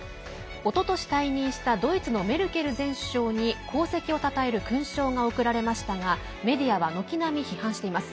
おととし退任したドイツのメルケル前首相に功績をたたえる勲章が贈られましたがメディアは軒並み批判しています。